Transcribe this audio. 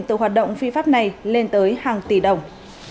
từ hoạt động phi pháp này lên tới hàng tỷ đồng